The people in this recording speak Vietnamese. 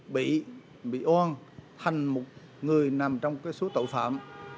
bị oan thành một người nằm trong cái số tội phạm